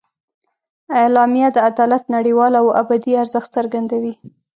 اعلامیه د عدالت نړیوال او ابدي ارزښت څرګندوي.